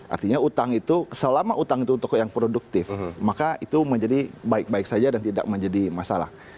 artinya utang itu selama utang itu untuk yang produktif maka itu menjadi baik baik saja dan tidak menjadi masalah